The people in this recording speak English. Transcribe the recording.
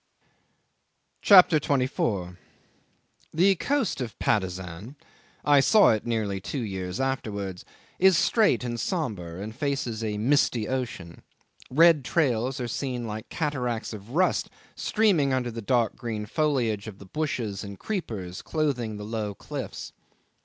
CHAPTER 24 'The coast of Patusan (I saw it nearly two years afterwards) is straight and sombre, and faces a misty ocean. Red trails are seen like cataracts of rust streaming under the dark green foliage of bushes and creepers clothing the low cliffs.